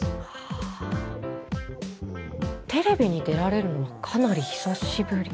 テレビに出られるのはかなり久しぶり？